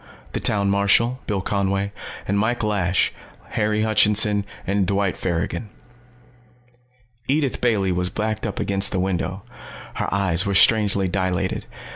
The town marshal, Bill Conway, and Mike Lash, Harry Hutchinson, and Dwight Farrigon. Edith Bailey was backed up against the window. Her eyes were strangely dilated.